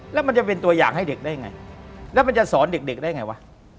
แล้วมันจะเป็นตัวอย่างให้เด็กได้ไงแล้วมันจะสอนเด็กได้ไงวะ